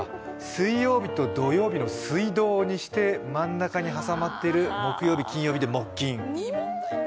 水曜日と土曜日の「すいどう」にして真ん中に挟まっている木曜日、金曜日でもっきん。